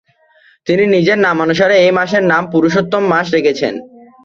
তিনি নিজের নামানুসারে এই মাসের নাম ‘পুরুষোত্তম’ মাস রেখেছেন।